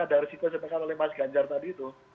ada risiko yang disampaikan oleh mas ganjar tadi itu